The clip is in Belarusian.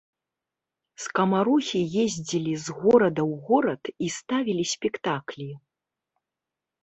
Скамарохі ездзілі з горада ў горад і ставілі спектаклі.